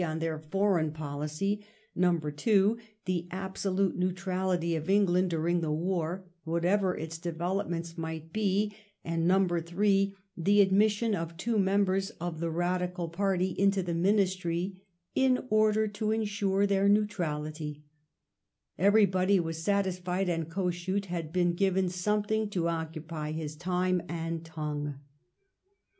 on th«ir foreign policy ; (2) the absolate neutrality of England during the war, whatever its developments might be ; (8) the admission of two members of the Badioal paty into the Ministry in order to enswe their neutrality/' Everybody was satisfied, and Kos suth had been given something to occupy his time and tongue.